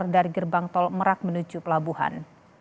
dari gerbang tol merak menuju pelabuhan